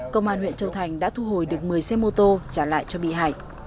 công an huyện châu thành đã thu hồi được một mươi xe mô tô trả lại cho bị hại